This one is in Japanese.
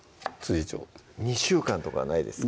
調２週間とかないですか？